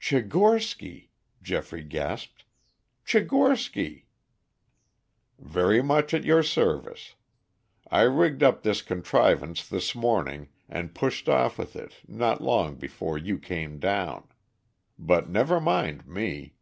"Tchigorsky," Geoffrey gasped. "Tchigorsky!" "Very much at your service. I rigged up this contrivance this morning and pushed off with it, not long before you came down. But never mind me.